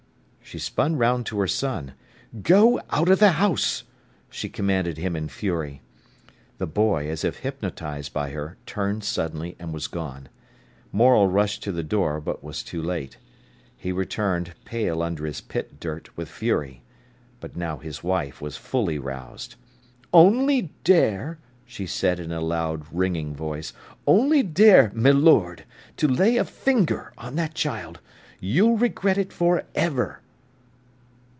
She spun round to her son. "Go out of the house!" she commanded him in fury. The boy, as if hypnotised by her, turned suddenly and was gone. Morel rushed to the door, but was too late. He returned, pale under his pit dirt with fury. But now his wife was fully roused. "Only dare!" she said in a loud, ringing voice. "Only dare, milord, to lay a finger on that child! You'll regret it for ever."